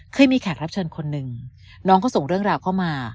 เคยมีแขกรับเชิญคนหนึ่งน้องเขาส่งเรื่องราวเข้ามา